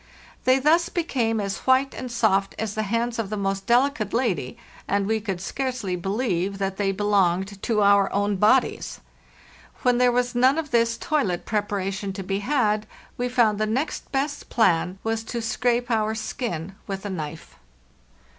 They thus became as white and soft as the hands of the most delicate lady, and we could scarcely believe that they belonged to our own bodies. When there was none of this toilet preparation to be had, we found the next best plan was to scrape our skin with a knife.